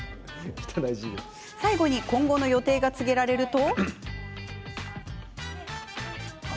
最後に今後の予定が告げられると。